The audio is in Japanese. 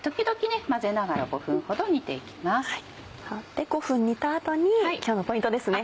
で５分煮た後に今日のポイントですね。